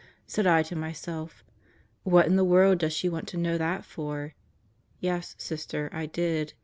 Said I to myself: "What in the world does she want to know that for?" Yes, Sister, I did.